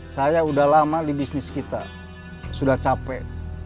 saya sudah lama di bisnis kita sudah capek